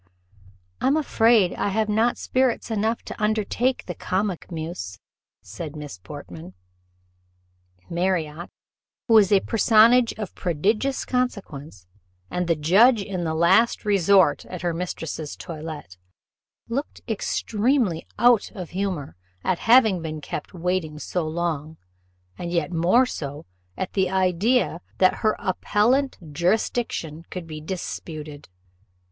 "I am afraid I have not spirits enough to undertake the comic muse," said Miss Portman. Marriott, who was a personage of prodigious consequence, and the judge in the last resort at her mistress's toilette, looked extremely out of humour at having been kept waiting so long; and yet more so at the idea that her appellant jurisdiction could be disputed.